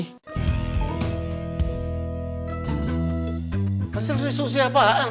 eh hasil diskusi apa